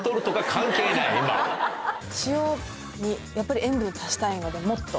塩にやっぱり塩分足したいのでもっと。